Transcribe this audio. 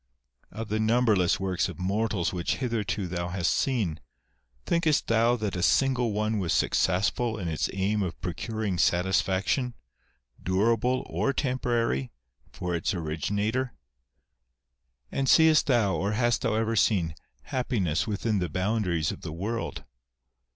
Of the numberless works of mortals which hitherto thou hast seen, thinkest thou that a single one was successful in its aim of procuring satisfaction, durable THE SONG OF THE WILD COCK. 153 or temporary, for its originator ? And seest thou, or hast thou ever seen, happiness within the boundaries of the world